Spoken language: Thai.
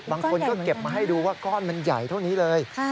บางคนก็เก็บมาให้ดูว่าก้อนมันใหญ่เท่านี้เลย